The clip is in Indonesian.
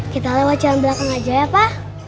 kita lewat jalan belakang aja ya pak